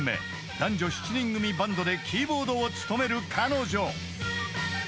［男女７人組バンドでキーボードを務める彼女］